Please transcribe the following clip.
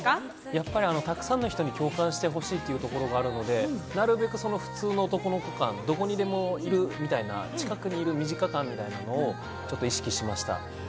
やっぱり、たくさんの人に共感してほしいという心があるので、なるべくその普通の男の子が、どこにでもいるみたいな、近くにいる身近感みたいなのを意識しました。